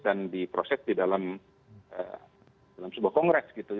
dan diproses di dalam sebuah kongres gitu